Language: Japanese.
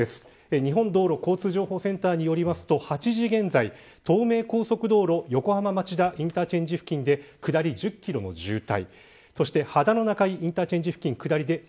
日本道路交通情報センターによりますと８時現在、東名高速道路横浜町田インターチェンジ付近で下り、１０キロの渋滞。